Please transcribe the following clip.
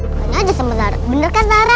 main aja sama zara bener kan zara